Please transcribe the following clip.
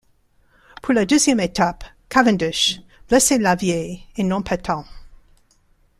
Pour la deuxième étape, Cavendish, blessé la veille, est non-partant.